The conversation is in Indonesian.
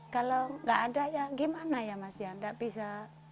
kalau nggak ada ya gimana ya mas ya nggak bisa